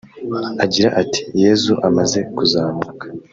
Agira ati “Yezu amaze kuzamuka